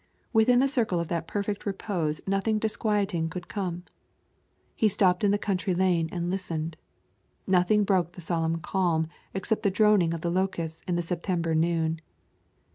Within the circle of that perfect repose nothing disquieting could come. He stopped in the country lane and listened. Nothing broke the solemn calm except the droning of the locusts in the September noon.